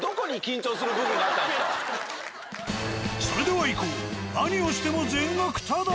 それではいこう。